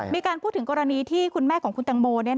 มีการพูดถึงกรณีที่คุณแม่ของคุณตังโม